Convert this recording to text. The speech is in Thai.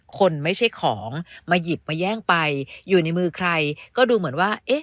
คนไม่ใช่ของมาหยิบมาแย่งไปอยู่ในมือใครก็ดูเหมือนว่าเอ๊ะ